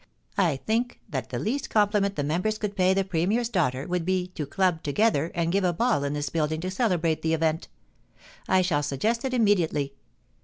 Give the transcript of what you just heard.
I think that (he least com pliment the members could pay the Premier's daughter would be to club together and give a ball in this building to celebrate the event I shall suggest it immediately.